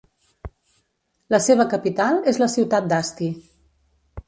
La seva capital és la ciutat d'Asti.